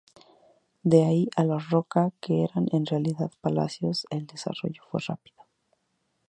De ahí a los "rocca" que eran en realidad palacios el desarrollo fue rápido.